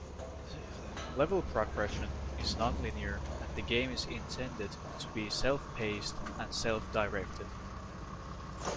Level progression is nonlinear, and the game is intended to be self-paced, and self-directed.